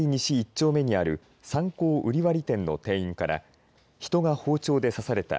丁目にあるサンコー瓜破店の店員から人が包丁で刺された。